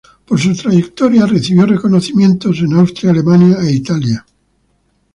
Por su trayectoria recibió reconocimientos en Austria, Alemania e Italia.